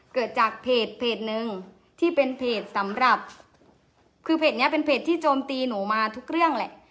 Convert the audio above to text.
เกิดจากเพจหนึ่งที่เป็นเพจสำหรับคือเพจนี้เป็นเพจที่โจมตีหนูมาทุกเรื่องแหละ